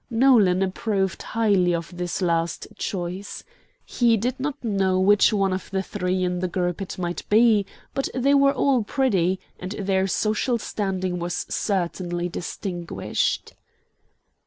Nolan approved highly of this last choice. He did not know which one of the three in the group it might be; but they were all pretty, and their social standing was certainly distinguished.